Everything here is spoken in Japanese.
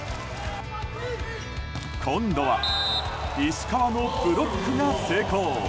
今度は石川のブロックが成功。